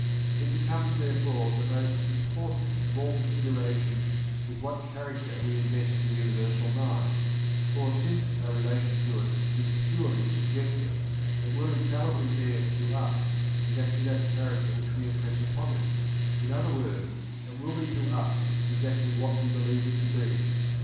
It becomes, therefore, the most important of all considerations with what character we invest the Universal Mind; for since our relation to it is purely subjective it will infallibly bear to us exactly that character which we impress upon it; in other words it will be to us exactly what we believe it to be.